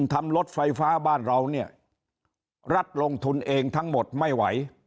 รถไฟฟ้าบ้านเราเนี่ยรัฐลงทุนเองทั้งหมดไม่ไหว